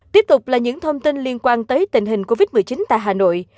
tiếp tục là những thông tin liên quan tới tình hình covid một mươi chín tại hà nội